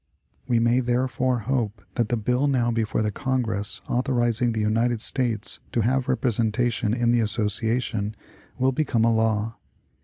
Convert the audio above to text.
We may therefore hope that the bill now before the Congress author izing the United States to have representation in the Association, will become a law.